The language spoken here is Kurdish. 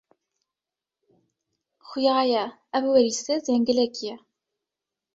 Xuya ye, ev werîsê zengilekî ye.